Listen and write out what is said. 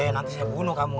nanti saya bunuh kamu